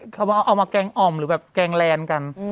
เขาเอามาแกล้งอ่อมหรือแบบแกล้งแลนกัน